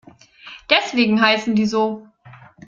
Deswegen heißen die so.